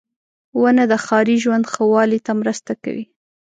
• ونه د ښاري ژوند ښه والي ته مرسته کوي.